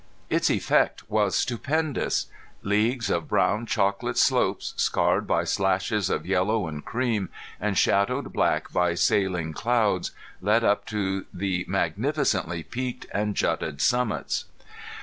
Its effect was stupendous. Leagues of brown chocolate slopes, scarred by slashes of yellow and cream, and shadowed black by sailing clouds, led up to the magnificently peaked and jutted summits.